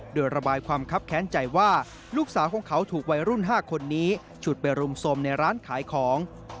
โดยระบายความคับแค้นใจว่าลูกสาวของเขาถูกวัยรุ่น๕คนนี้ฉุดไปรุมสมในร้านขายของ